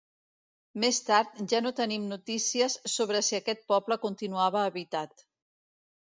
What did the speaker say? Més tard ja no tenim notícies sobre si aquest poble continuava habitat.